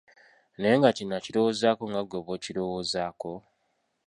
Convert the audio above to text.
Naye nga kino akirowoozaako nga gwe bw’okirowoozaako?